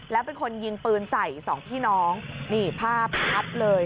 แล้วเป็นคนยิงปืนใส่สองพี่น้องนี่ภาพชัดเลย